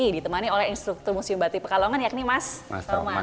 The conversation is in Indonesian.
ditemani oleh instruktur museum batik pekalongan yakni mas toman